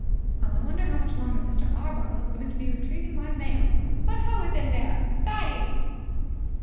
Well, I wonder how much longer Mr. Arbuckle is going to be retrieving my mail. What ho, within there, Fatty!"